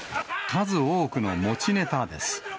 数多くの持ちネタです。